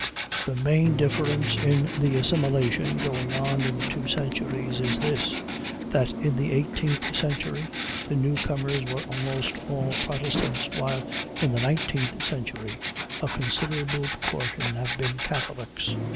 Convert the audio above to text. The main difference in the assimilation going on in the two centuries is this, that in the eighteenth century the newcomers were almost all Protestants, while in the nineteenth century a considerable proportion have been Catholics.